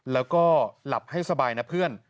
แล้วก็หลับให้สบายนะเพื่อน